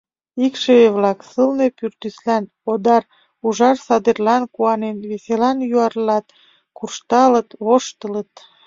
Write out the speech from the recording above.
Икшыве-влак, сылне пӱртӱслан, одар, ужар садерлан куанен, веселан юарлат: куржталыт, воштылыт.